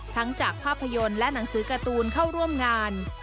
จากภาพยนตร์และหนังสือการ์ตูนเข้าร่วมงาน